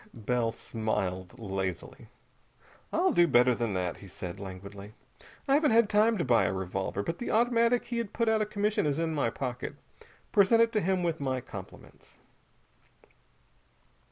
Bell smiled lazily. "I'll do better than that," he said languidly. "I haven't had time to buy a revolver. But the automatic he had put out of commission is in my pocket. Present it to him with my compliments."